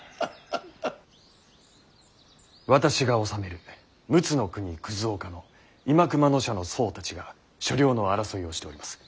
私が治める陸奥国岡の新熊野社の僧たちが所領の争いをしております。